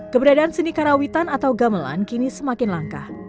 keberadaan seni karawitan atau gamelan kini semakin langka